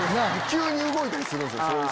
急に動いたりするんすよ。